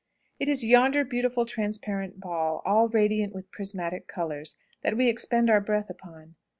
It is yonder beautiful transparent ball, all radiant with prismatic colours, that we expend our breath upon.